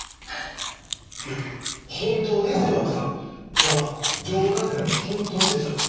これは冗談でなく本当です。